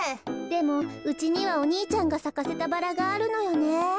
でもうちにはお兄ちゃんがさかせたバラがあるのよね。